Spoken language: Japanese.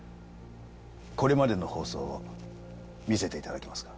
これまでの放送を見せて頂けますか？